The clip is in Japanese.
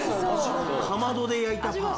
かまどで焼いたパン。